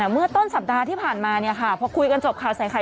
เมื่อต้นสัปดาห์ที่ผ่านมาพอคุยกันจบข่าวสายไข่